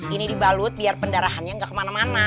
ini dibalut biar pendarahannya nggak kemana mana